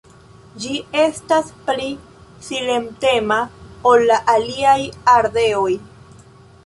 Ĝi estas pli silentema ol la aliaj ardeoj.